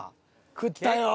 食ったよ。